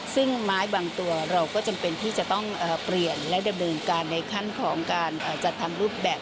ซึ่งไม้บางตัวเราก็จำเป็นที่จะต้องเปลี่ยนและดำเนินการในขั้นของการจัดทำรูปแบบ